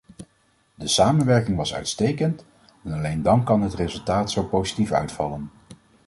De samenwerking was uitstekend en alleen dan kan het resultaat zo positief uitvallen.